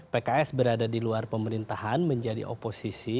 pks berada di luar pemerintahan menjadi oposisi